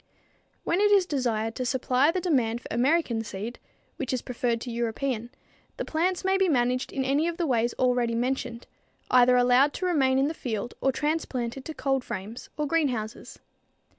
When it is desired to supply the demand for American seed, which is preferred to European, the plants may be managed in any of the ways already mentioned, either allowed to remain in the field or transplanted to cold frames, or greenhouses.